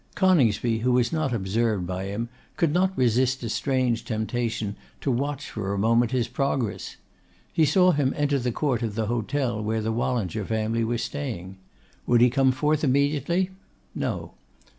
Coningsby, who was not observed by him, could not resist a strange temptation to watch for a moment his progress. He saw him enter the court of the hotel where the Wallinger family were staying. Would he come forth immediately? No.